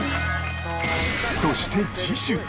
そして次週